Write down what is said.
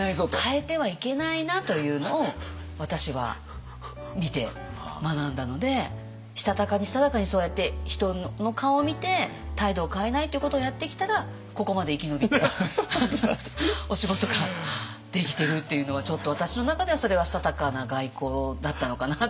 変えてはいけないなというのを私は見て学んだのでしたたかにしたたかにそうやって人の顔を見て態度を変えないということをやってきたらここまで生き延びてお仕事ができているというのはちょっと私の中ではそれはしたたかな外交だったのかなっていう。